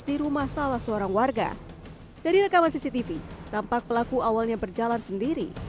di rumah salah seorang warga dari rekaman cctv tampak pelaku awalnya berjalan sendiri